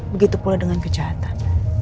begitu pula dengan kejahatan